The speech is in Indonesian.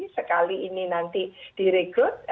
sekali ini nanti direkrut